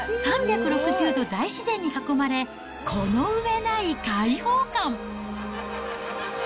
３６０度大自然に囲まれ、この上ない開放感。